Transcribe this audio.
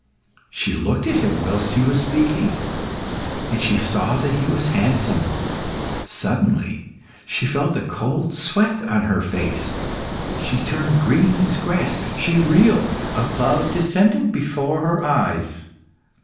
She looked at him whilst he was speaking, and saw that he was handsome. Suddenly she felt a cold sweat on her face. She turned green as grass; she reeled; a cloud descended before her eyes.